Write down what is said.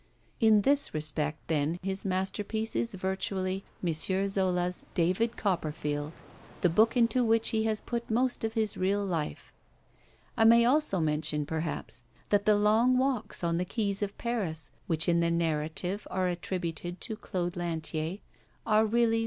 In this respect, then 'His Masterpiece' is virtually M. Zola's 'David Copperfield' the book into which he has put most of his real life. I may also mention, perhaps, that the long walks on the quays of Paris which in the narrative are attributed to Claude Lantier are really M.